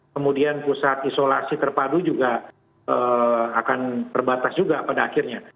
kemudian pusat isolasi terpadu juga akan terbatas juga pada akhirnya